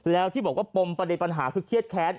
แล้วที่บอกว่าปมประเด็นปัญหาคือเครียดแค้น